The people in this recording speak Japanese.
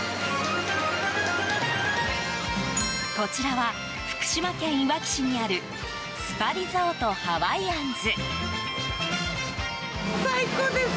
こちらは、福島県いわき市にあるスパリゾートハワイアンズ。